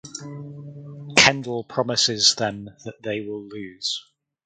Kendall promises them that they will lose.